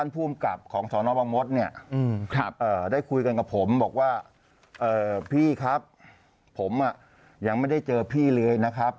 พี่ครับผมยังไม่ได้เจอพี่เลยนะครับ